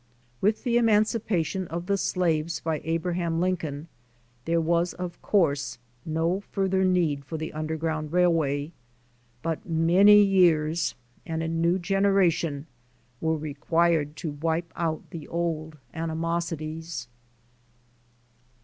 With the emancipation of the slaves by Abraham Lincoln, there was, of course, no further need for the Underground Railway, but many years and a new generation were required to wipe out the old animosities.